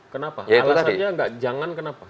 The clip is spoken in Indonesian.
kenapa alasannya nggak jangan kenapa